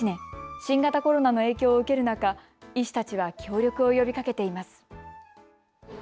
新型コロナの影響を受ける中、医師たちは協力を呼びかけています。